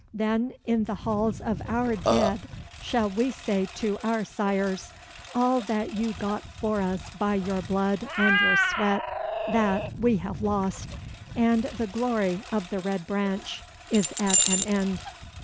Then in the halls of our dead shall we say to our sires, 'All that you got for us by your blood and your sweat, that we have lost, and the glory of the Red Branch is at an end.'"